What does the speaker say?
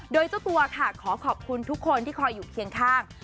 โดยเจ้าตัวค่ะขอขอบคุณทุกคนที่คอยอยู่เคียงข้าง